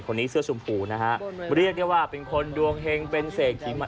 คนนี้เสื้อชมพูนะฮะเรียกได้ว่าเป็นคนดวงเฮงเป็นเศรษฐีใหม่